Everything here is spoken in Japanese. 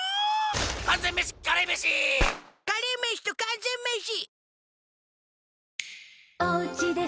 完全メシカレーメシカレーメシと完全メシ